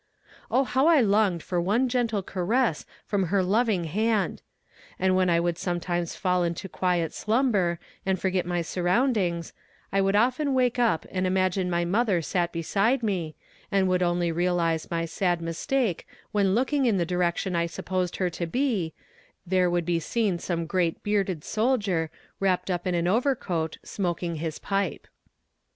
Oh how I longed for one gentle caress from her loving hand! and when I would sometimes fall into a quiet slumber, and forget my surroundings, I would often wake up and imagine my mother sat beside me, and would only realize my sad mistake when looking in the direction I supposed her to be, there would be seen some great bearded soldier, wrapped up in an overcoat, smoking his pipe.